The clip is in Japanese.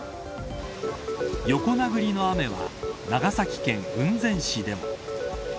横殴りの雨は長崎県雲仙市でも。